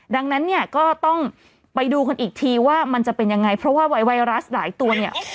ดังนั้นเนี่ยก็ต้องไปดูกันอีกทีว่ามันจะเป็นยังไงเพราะว่าวัยไวรัสหลายตัวเนี่ย